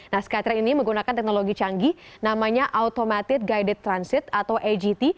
nah skytrain ini menggunakan teknologi canggih namanya automated guided transit atau agt